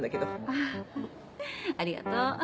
あぁありがとう。